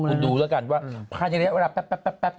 คุณดูแล้วกันพันธุ์ละรัดแป๊บ